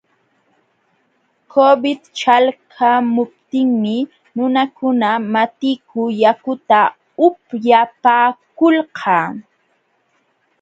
Covid ćhalqamuptinmi nunakuna matiku yakuta upyapaakulqa.